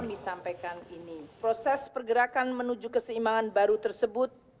yang kami sampaikan ini proses pergerakan menuju keseimbangan baru tersebut